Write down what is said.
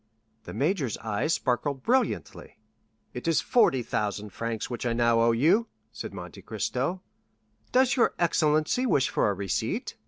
The major's eyes sparkled brilliantly. "It is 40,000 francs which I now owe you," said Monte Cristo. "Does your excellency wish for a receipt?"